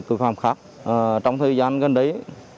tội phạm khác trong thời gian gần đấy